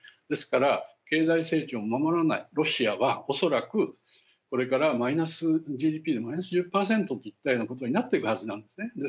ですから経済成長を守らないロシアは恐らくこれからＧＤＰがマイナス１０％といったようなことになっていくはずなんですね。